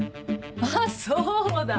あっそうだ！